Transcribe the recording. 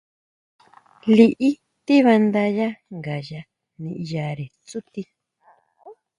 Liʼí tíbándayá ngayá niʼyare tsútii.